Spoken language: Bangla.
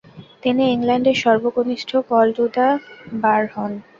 তিনি ইংল্যান্ডের সর্বকনিষ্ঠ কল টু দ্য বার হন।